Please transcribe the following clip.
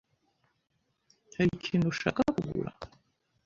Hari ikintu ushaka kugura?